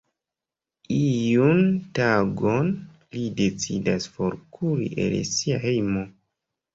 Iun tagon li decidas forkuri el sia hejmo.